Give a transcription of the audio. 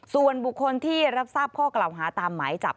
ส่วนบุคคลที่รับทราบข้อกล่าวหาตามหมายจับ